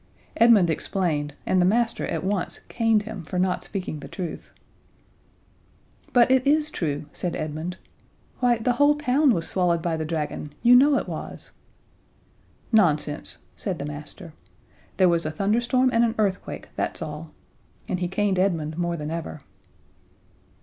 Edmund explained, and the master at once caned him for not speaking the truth. "But it is true," said Edmund. "Why, the whole town was swallowed by the dragon. You know it was " "Nonsense," said the master. "There was a thunderstorm and an earthquake, that's all." And he caned Edmund more than ever.